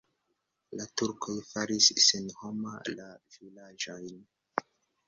La turkoj faris senhoma la vilaĝojn.